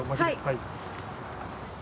はい。